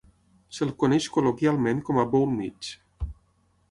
Se'l coneix col·loquialment com a "Boul'Mich".